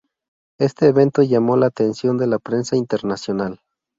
Este evento llamó la atención de la prensa internacional.